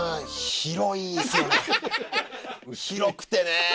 広くてね